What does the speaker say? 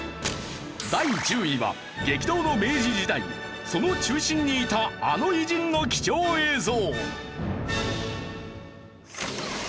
第１０位は激動の明治時代その中心にいたあの偉人の貴重映像。